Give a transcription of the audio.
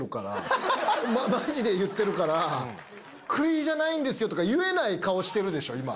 マジで言ってるから栗じゃないんですよ！とか言えない顔してるでしょ